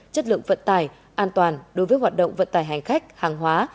chất lượng vận tải an toàn đối với hoạt động vận tải hành khách hàng hóa